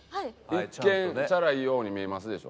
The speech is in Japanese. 一見チャラいように見えますでしょ？